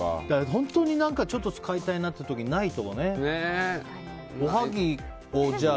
本当にちょっと使いたいなっていう時にきたきた！